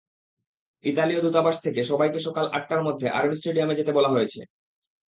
ইতালীয় দূতাবাস থেকে সবাইকে সকাল আটটার মধ্যে আর্মি স্টেডিয়ামে যেতে বলা হয়েছে।